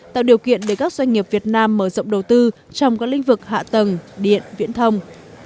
tạo điều kiện để các doanh nghiệp việt nam mở rộng đầu tư trong các lĩnh vực hạ tầng điện viễn thông